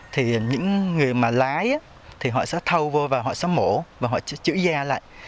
thì những người mà lái thì họ sẽ thâu vô và họ sẽ mổ và họ chữ da lại